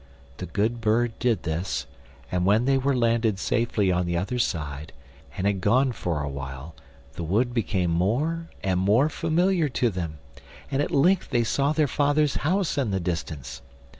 The good bird did this, and when they were landed safely on the other side, and had gone for a while, the wood became more and more familiar to them, and at length they saw their father's house in the distance.